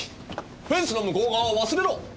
フェンスの向こう側は忘れろ！